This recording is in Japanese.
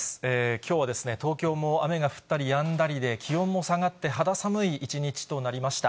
きょうは東京も雨が降ったりやんだりで、気温も下がって、肌寒い一日となりました。